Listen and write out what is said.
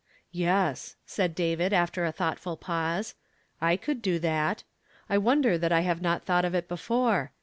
" Yes," said David after a thoughtful pause, "I could do that; I wonder that I have not thought of it before.